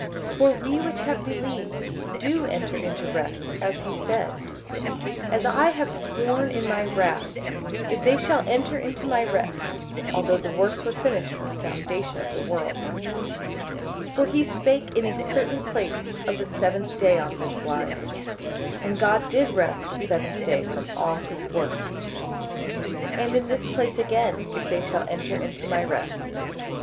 58:004:003 For we which have believed do enter into rest, as he said, As I have sworn in my wrath, if they shall enter into my rest: although the works were finished from the foundation of the world. 58:004:004 For he spake in a certain place of the seventh day on this wise, And God did rest the seventh day from all his works. 58:004:005 And in this place again, If they shall enter into my rest.